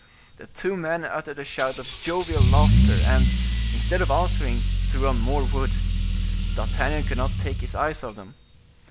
The two men uttered a shout of jovial laughter, and, instead of answering, threw on more wood. D'Artagnan could not take his eyes off them.